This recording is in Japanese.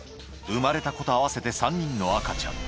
生まれた子と合わせて３人の赤ちゃん